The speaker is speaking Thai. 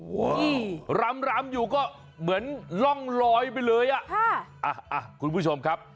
ว้าวลำรำอยู่ก็เหมือนล่องลอยไปเลยอ่ะคุณผู้ชมครับ